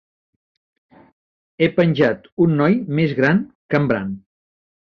He penjat un noi més gran que en Bran.